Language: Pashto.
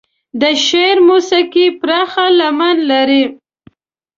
د شعر موسيقي پراخه لمن لري.